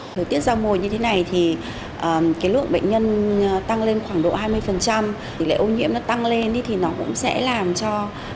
thời tiết ra mùi như thế này thì cái lượng bệnh nhân tăng lên khoảng độ hai mươi thì lệ ô nhiễm nó tăng lên thì nó cũng sẽ làm cho